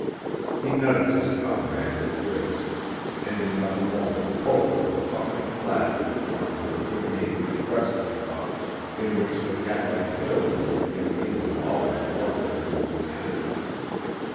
He nudged his comrade in the ribs, and in another moment both were puffing and laughing in one of their good natured wrestling bouts, in which the cat like agility of the young Indian always won for him in the end.